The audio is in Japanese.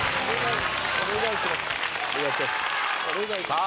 さあ